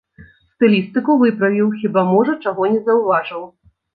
Стылістыку выправіў, хіба можа чаго не заўважыў.